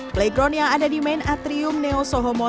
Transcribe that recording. playground yang ada di main atrium neo soho mall